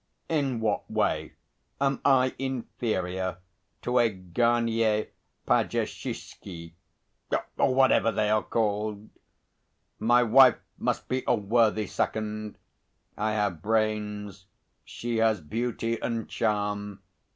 In what way am I inferior to a Garnier Pagesishky or whatever they are called? My wife must be a worthy second I have brains, she has beauty and charm.